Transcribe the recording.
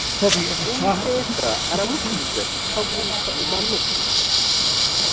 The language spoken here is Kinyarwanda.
uwiteka aramusubiza ati haguruka umanuke